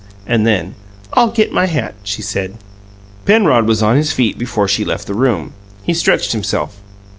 And then, "I'll get my hat," she said. Penrod was on his feet before she left the room. He stretched himself.